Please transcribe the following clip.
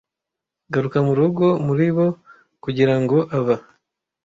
Garuka murugo muri bo kugirango aba